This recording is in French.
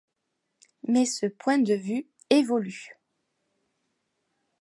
Mais ce point de vue évolue.